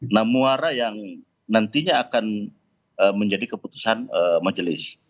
nah muara yang nantinya akan menjadi keputusan majelis